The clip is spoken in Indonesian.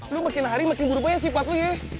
lo makin hari makin berubah ya sifat lo ya